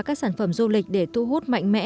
các sản phẩm du lịch để thu hút mạnh mẽ